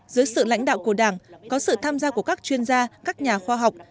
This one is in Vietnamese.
dưới sự lãnh đạo của đảng có sự tham gia của các chuyên gia các nhà khoa học